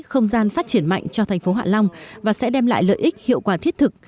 không gian phát triển mạnh cho thành phố hạ long và sẽ đem lại lợi ích hiệu quả thiết thực